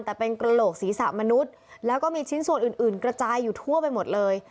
แต่เป็นกระโหลกศีรษะมนุษย์แล้วก็มีชิ้นส่วนอื่นกระจายอยู่ทั่วไปหมดเลย